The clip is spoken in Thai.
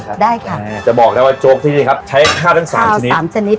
เนี้ยจะบอกนะว่าโจ๊กที่ดีครับใช้ข้าวทั้งสามชนิดข้าวสามชนิด